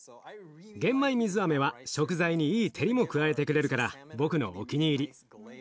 玄米水あめは食材にいい照りも加えてくれるから僕のお気に入り。